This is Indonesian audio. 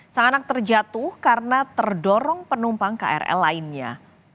sang anak terjatuh karena terdorong penumpang krl lainnya